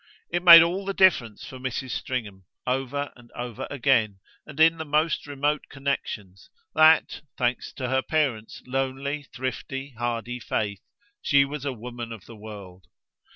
It made all the difference for Mrs. Stringham, over and over again and in the most remote connexions, that, thanks to her parent's lonely thrifty hardy faith, she was a woman of the world.